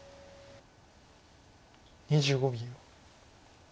２５秒。